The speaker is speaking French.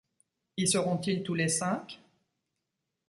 Y seront-ils tous les cinq ?